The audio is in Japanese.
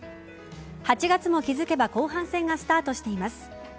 ８月も気付けば後半戦がスタートしています。